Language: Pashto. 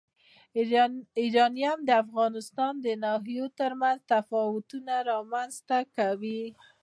یورانیم د افغانستان د ناحیو ترمنځ تفاوتونه رامنځ ته کوي.